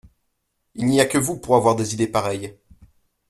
Il n’y a que vous pour avoir des idées pareilles.